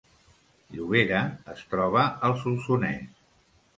Llobera es troba al Solsonès